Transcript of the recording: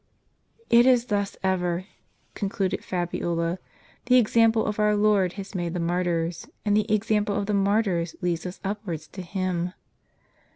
"It is thus ever," concluded Fabiola. "The examjDle of our Lord has made the martyrs ; and the example of the martyrs leads us upwards to Him.